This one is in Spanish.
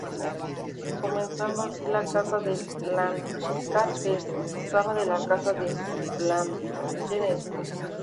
Comenzando así la Casa de Lancaster, rama de la Casa de Plantagenet.